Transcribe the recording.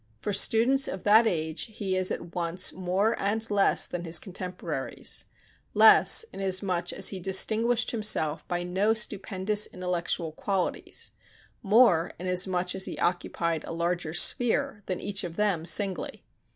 For students of that age he is at once more and less than his contemporaries: less, inasmuch as he distinguished himself by no stupendous intellectual qualities; more, inasmuch as he occupied a larger sphere than each of them singly.